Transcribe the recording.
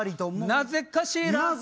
「なぜかしら」